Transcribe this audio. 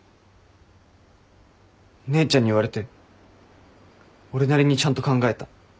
姉ちゃんに言われて俺なりにちゃんと考えた。